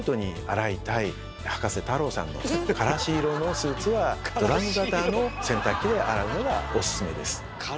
葉加瀬太郎さんのからし色のスーツはドラム型の洗濯機で洗うのがオススメです。